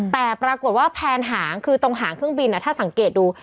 แต่ปรากฏว่าแผนหางคือตรงหางเครื่องบินถ้าสังเกตดู